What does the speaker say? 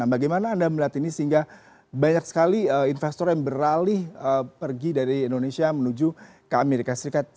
bagaimana anda melihat ini sehingga banyak sekali investor yang beralih pergi dari indonesia menuju ke amerika serikat